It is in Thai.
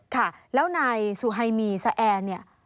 ค่ะแล้วนายสุไฮมีสแอร์เนี่ย